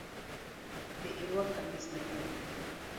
Dhi iruak kamis manyien